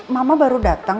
mama baru datang